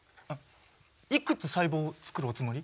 いくつ細胞をつくるおつもり？